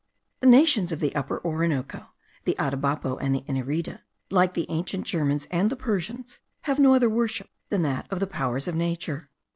The nations of the Upper Orinoco, the Atabapo, and the Inirida, like the ancient Germans and the Persians, have no other worship than that of the powers of nature.